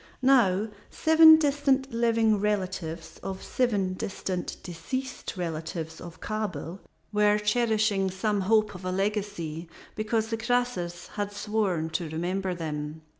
Now, seven distant living relatives of seven distant deceased relatives of Kabel were cherishing some hope of a legacy, because the Croesus had sworn to remember them.